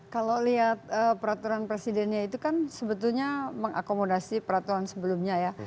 kalau lihat peraturan presidennya itu kan sebetulnya mengakomodasi peraturan sebelumnya ya